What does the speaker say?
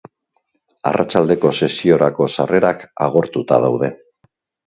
Arratsaldeko sesiorako sarrerak agortuta daude.